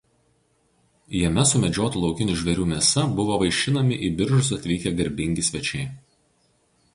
Jame sumedžiotų laukinių žvėrių mėsa buvo vaišinami į Biržus atvykę garbingi svečiai.